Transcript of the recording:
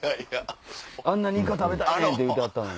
あんなにイカ食べたいって言うてはったのに。